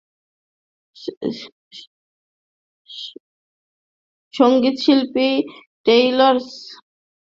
সংগীতশিল্পী Taylor Swift তাঁর বড়দিনের ছুটির সময়টা এবার দারুণ আনন্দ করেই কাটিয়েছেন।